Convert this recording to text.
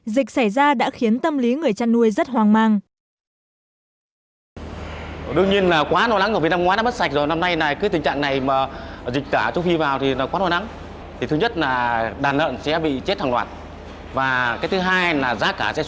dịch xảy ra đã khiến tâm lý người chăn nuôi rất hoang mang